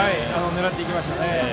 狙っていきましたね。